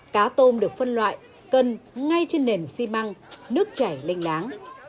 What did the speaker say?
cá tôm được phân loại cần ngay trên nền xi măng nước chảy linh láng